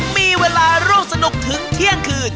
มีเวลาร่วมสนุกถึงเที่ยงคืน